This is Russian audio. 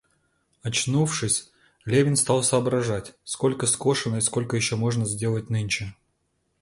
Очнувшись, Левин стал соображать, сколько скошено и сколько еще можно сделать нынче.